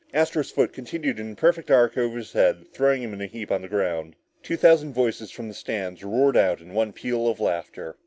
Astro's foot continued in a perfect arc over his head, throwing him in a heap on the ground. Two thousand voices from the stands roared in one peal of laughter.